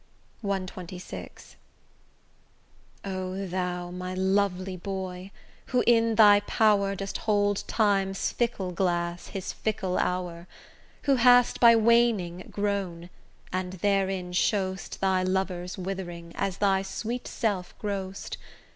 CXXVI O thou, my lovely boy, who in thy power Dost hold Time's fickle glass, his fickle hour; Who hast by waning grown, and therein show'st Thy lovers withering, as thy sweet self grow'st.